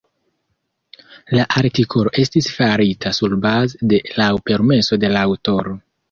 La artikolo estis farita surbaze de laŭ permeso de la aŭtoro.